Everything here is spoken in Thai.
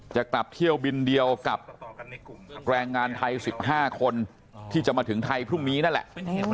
จะกลับเที่ยวบินเดียวกับแรงงานไทย๑๕คนที่จะมาถึงไทยพรุ่งนี้นั่นแหละ